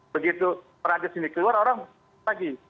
begitu perancis ini keluar orang pagi